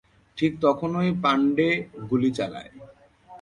ঠিক তখনই পাণ্ডে গুলি চালায়।